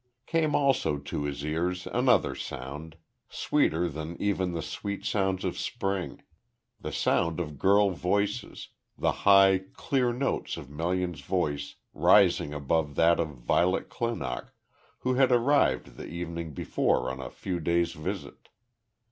Came also to his ears another sound, sweeter than even the sweet sounds of spring the sound of girl voices, the high, clear notes of Melian's voice rising above that of Violet Clinock, who had arrived the evening before on a few days' visit.